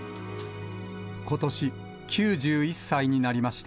ことし９１歳になりました。